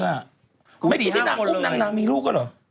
ไม่ดีที่นางอุ้มนางนางมีลูกอ่ะเหรอ